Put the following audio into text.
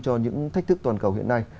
cho những thách thức toàn cầu hiện nay